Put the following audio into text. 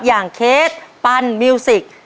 อย่างเคสปันมิวสิก